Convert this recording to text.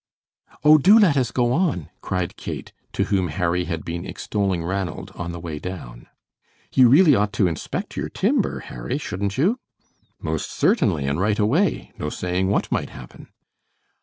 "Oh, do let us go on!" cried Kate, to whom Harry had been extolling Ranald on the way down. "You really ought to inspect your timber, Harry, shouldn't you?" "Most certainly, and right away. No saying what might happen."